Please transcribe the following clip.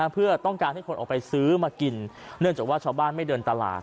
เพื่อต้องการให้คนออกไปซื้อมากินเนื่องจากว่าชาวบ้านไม่เดินตลาด